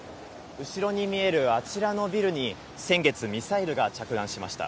後ろに見えるあちらのビルに、先月、ミサイルが着弾しました。